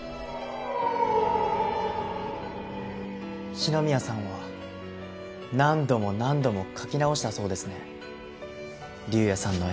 四ノ宮さんは何度も何度も描き直したそうですね竜也さんの絵。